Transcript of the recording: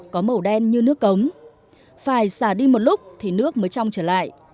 có màu đen như nước cống phải xả đi một lúc thì nước mới trong trở lại